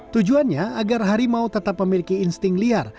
tujuannya agar harimau tetap memiliki insting liar